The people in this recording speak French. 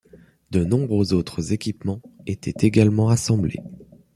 De nombreux autres équipements étaient également assemblés.